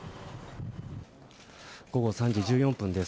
午後３時１４分です。